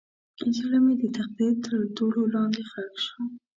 زړه مې د تقدیر تر دوړو لاندې ښخ شو.